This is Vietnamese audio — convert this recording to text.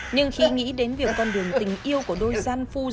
nhưng khi nghĩ đến việc con đường tình yêu của đôi gian phu dâm khóa